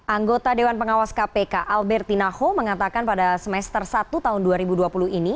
anggota dewan pengawas kpk alberti naho mengatakan pada semester satu tahun dua ribu dua puluh ini